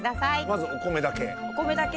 まずお米だけ。